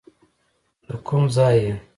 د کوم ځای یې.